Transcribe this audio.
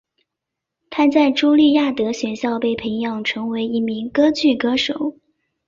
她在朱利亚德学校被培养成为一名歌剧歌手。